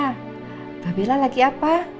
mbak bella lagi apa